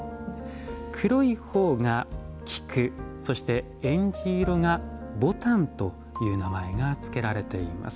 黒い方が「菊」そしてえんじ色が「牡丹」という名前が付けられています。